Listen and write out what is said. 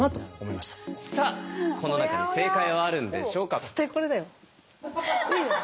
さあこの中に正解はあるんでしょうか。